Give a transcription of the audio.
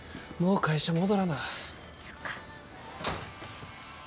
そっか。